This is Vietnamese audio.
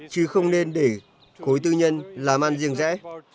chứ không nên để khối tư nhân làm ăn riêng rẽ